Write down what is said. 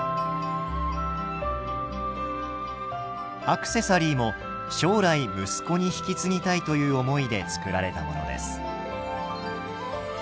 アクセサリーも将来息子に引き継ぎたいという思いで作られたものです。